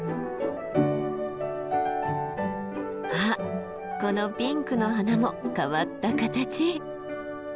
あっこのピンクの花も変わった形！